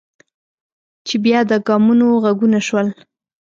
چې بیا د ګامونو غږونه شول.